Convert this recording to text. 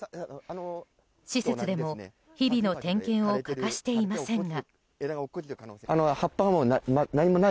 施設でも日々の点検を欠かしていませんが。